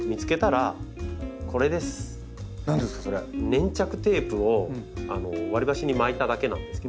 粘着テープを割り箸に巻いただけなんですけど。